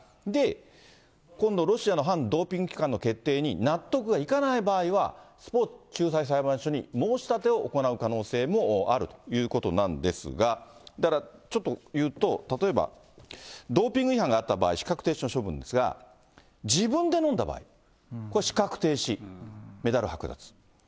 で、今度ロシアの反ドーピング機関の決定に納得がいかない場合は、スポーツ仲裁裁判所に申し立てを行う可能性もあるということなんですが、だからちょっというと、例えばドーピング違反があった場合、資格停止の処分ですが、自分で飲んだ場合、これは資格停止、メダルはく奪。